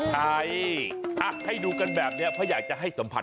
ใช่ให้ดูกันแบบนี้เพราะอยากจะให้สัมผัส